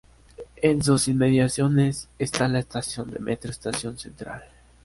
En sus inmediaciones está la estación de Metro Estación Central.